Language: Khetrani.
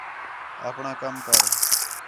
آپݨاں کَم کر